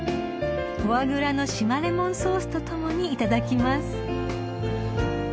［フォアグラの島レモンソースとともにいただきます］